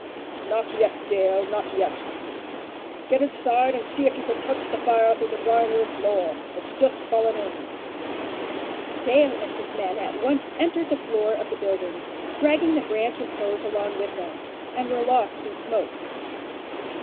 "Not yet, Dale, not yet," said Braidwood; "get inside and see if you can touch the fire through the drawing room floor. It's just fallen in." Dale and his men at once entered the front door of the building, dragging the branch and hose along with them, and were lost in smoke.